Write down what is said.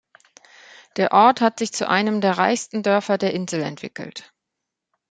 Der Ort hat sich zu einem der reichsten Dörfer der Insel entwickelt.